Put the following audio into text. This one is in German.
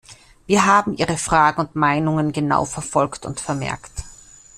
Wir haben Ihre Fragen und Meinungen genau verfolgt und vermerkt.